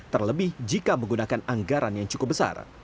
terlebih jika menggunakan anggaran yang cukup besar